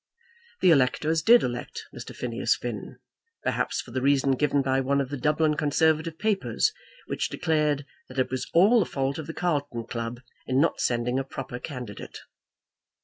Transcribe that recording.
The electors did elect Mr. Phineas Finn, perhaps for the reason given by one of the Dublin Conservative papers, which declared that it was all the fault of the Carlton Club in not sending a proper candidate.